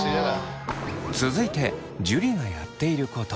続いて樹がやっていること。